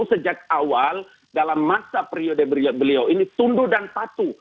sejak awal dalam masa periode beliau ini tunduk dan patuh